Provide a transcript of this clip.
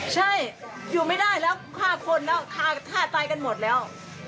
ใช่อยู่ไม่ได้แล้วฆ่าคนแล้วฆ่าตายกันหมดแล้ว